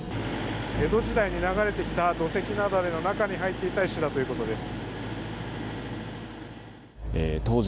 江戸時代に流れてきた土石なだれの中に入っていた石だということです。